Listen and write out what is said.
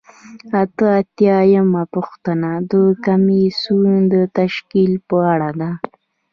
اته اتیا یمه پوښتنه د کمیسیون د تشکیل په اړه ده.